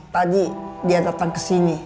tadi dia datang kesini